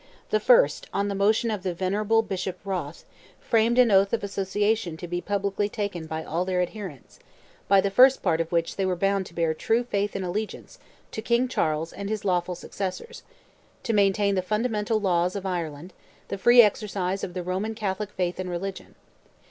They first, on the motion of the venerable Bishop Rothe, framed an oath of association to be publicly taken by all their adherents, by the first part of which they were bound to bear "true faith and allegiance" to King Charles and his lawful successors, "to maintain the fundamental laws of Ireland, the free exercise of the Roman Catholic faith and religion."